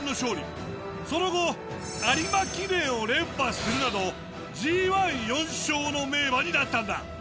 その後有馬記念を連覇するなどＧⅠ４勝の名馬になったんだ。